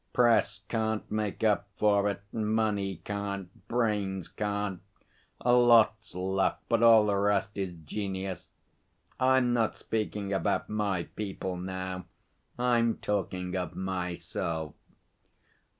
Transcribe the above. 'Press can't make up for it; money can't; brains can't. A lot's luck, but all the rest is genius. I'm not speaking about My people now. I'm talking of Myself.'